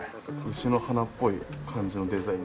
牛の鼻っぽい感じのデザイン。